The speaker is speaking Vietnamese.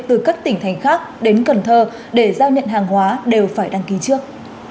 từ các tỉnh thành khác đến cần thơ để giao nhận hàng hóa đều phải đăng ký trước